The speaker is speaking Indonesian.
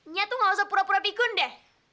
nya tuh gak usah pura pura pikun deh